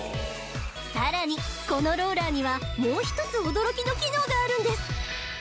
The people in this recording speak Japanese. さらにこのローラーにはもう１つ驚きの機能があるんです！